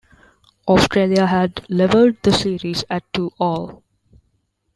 Australia had levelled the series at two-all.